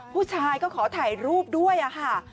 ผู้ชายก็ขอถ่ายรูปด้วยค่ะ